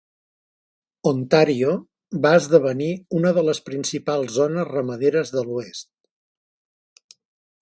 Ontario va esdevenir una de les principals zones ramaderes de l'oest.